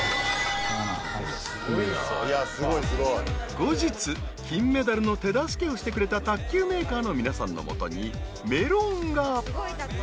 ［後日金メダルの手助けをしてくれた卓球メーカーの皆さんの元にメロンが］